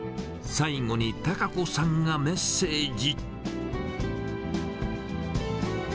最後に貴子さんがメッセージ。